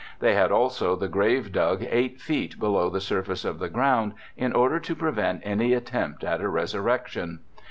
They had also the grave dug eight feet below the surface of the ground in order to prevent any attempt at a resurrection.